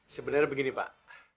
sebenarnya begini pak